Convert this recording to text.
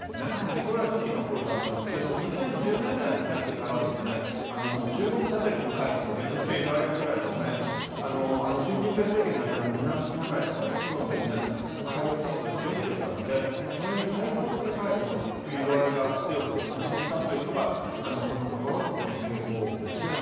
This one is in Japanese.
それが初期のころだったんですが２０１０年代に入ってからは中国たたきの会議と別名で言われるぐらい習近平政権になって南シナ海とかどんどん海洋進出を強めていったのでそれに対抗する会議という色合いが強くなってきたというのがこのところの傾向ですね。